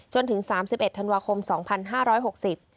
จนถึงสามสิบเอ็ดธันวาคมสองพันห้าร้อยหกสิบ